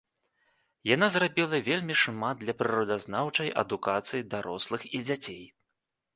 Яна зрабіла вельмі шмат для прыродазнаўчай адукацыі дарослых і дзяцей.